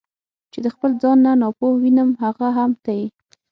چې د خپل ځان نه ناپوه وینم هغه هم ته یې.